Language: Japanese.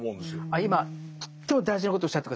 あ今とっても大事なことをおっしゃって下さった。